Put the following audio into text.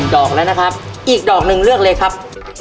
ดอกแล้วนะครับอีกดอกหนึ่งเลือกเลยครับ